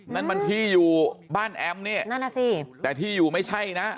นั่นมันที่อยู่บ้านแอมป์เนี่ยแต่ที่อยู่ไม่ใช่นะ